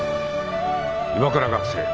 岩倉学生。